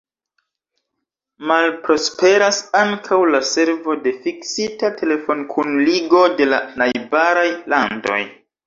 Malprosperas ankaŭ la servo de fiksita telefonkunligo de la najbaraj landoj.